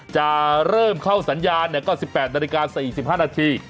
จะเริ่มเข้าสัญญาณก็๑๘นาฬิกา๔๕นาที